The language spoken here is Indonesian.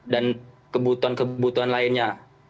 dan kebutuhan kebutuhan lainnya